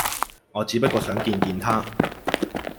我只不過想見見她